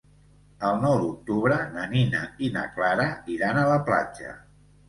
El nou d'octubre na Nina i na Clara iran a la platja.